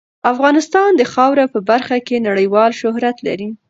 افغانستان د خاوره په برخه کې نړیوال شهرت لري.